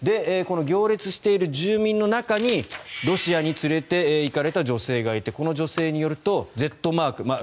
この行列している住民の中にロシアに連れていかれた女性がいてこの女性によるとＺマーク